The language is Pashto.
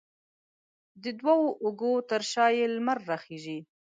د دوو اوږو تر شا یې لمر راخیژي